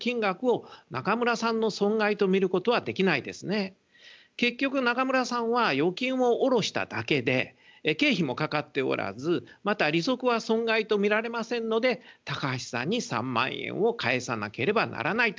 しかし利息についてはですね結局中村さんは預金を下ろしただけで経費もかかっておらずまた利息は損害とみられませんので高橋さんに３万円を返さなければならないという結論になります。